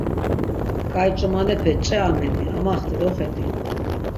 Ǩai ç̌umanepe, ç̌e Amedi, amaxti, doxedi.